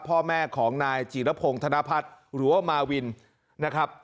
พ่อแม่ของนายจีรพงศ์ธนพัฒน์หรือว่ามาวินนะครับ